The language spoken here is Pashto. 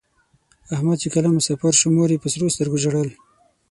احمد چې کله مسافر شو مور یې په سرو سترگو ژړل.